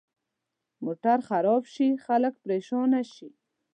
موټر خراب شي، خلک پرېشانه شي.